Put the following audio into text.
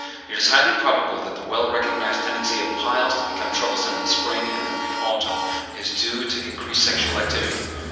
It is highly probable that the well recognized tendency of piles to become troublesome in spring and in autumn, is due to increased sexual activity.